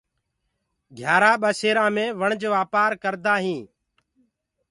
گھيآرآ ٻسيرآ مي وڻج وآپآر ڪردآ هينٚ۔